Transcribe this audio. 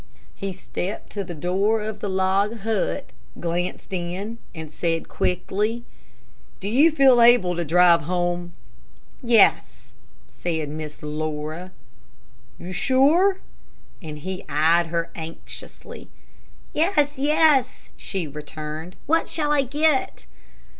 He stepped to the door of the log hut, glanced in, and said, quickly: "Do you feel able to drive home?" "Yes," said Miss Laura. "Sure?" and he eyed her anxiously. "Yes, yes," she returned; "what shall I get?"